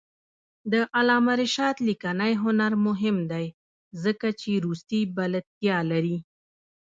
د علامه رشاد لیکنی هنر مهم دی ځکه چې روسي بلدتیا لري.